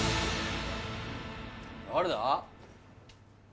誰だ？